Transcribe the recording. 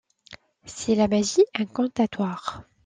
C'est la magie incantatoire.